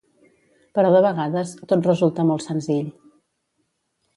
Però de vegades, tot resulta molt senzill.